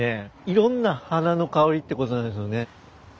いろんな花の香りってことなんですよね。